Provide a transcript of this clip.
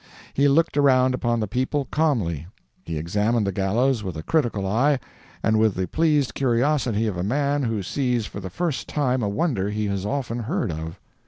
He looked around upon the people, calmly; he examined the gallows with a critical eye, and with the pleased curiosity of a man who sees for the first time a wonder he has often heard of.